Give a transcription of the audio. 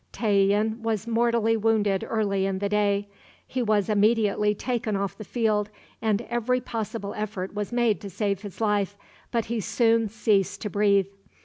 Tayian was mortally wounded early in the day. He was immediately taken off the field, and every possible effort was made to save his life, but he soon ceased to breathe.